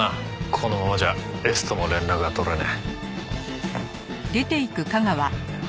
このままじゃエスとも連絡が取れねえ。